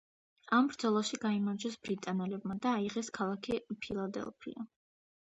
ამ ბრძოლაში გაიმარჯვეს ბრიტანელებმა და აიღეს ქალაქი ფილადელფია.